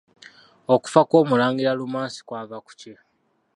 Okufa kw'Omulangira Lumansi kwava ku ki?